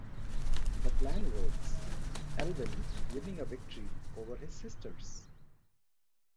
The plan works, Alvin winning a victory over his sisters.